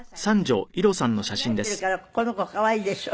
離れているからこの子可愛いでしょ？